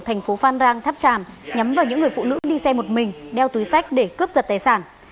thành phố phan rang tháp tràm nhắm vào những người phụ nữ đi xe một mình đeo túi sách để cướp giật tài sản